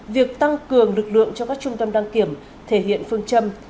việc tăng cường lực lượng cho các trung tâm đăng kiểm thể hiện phương châm